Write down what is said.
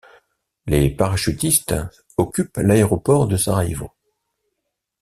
Les parachutistes occupent l'aéroport de Sarajevo.